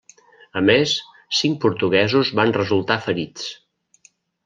A més, cinc portuguesos van resultar ferits.